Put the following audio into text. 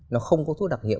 nó không có thuốc đặc hiệu